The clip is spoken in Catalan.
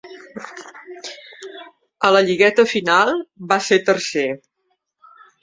A la lligueta final va ser tercer.